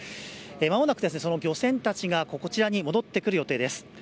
まもなく、その漁船たちがこちらに戻ってくる予定です。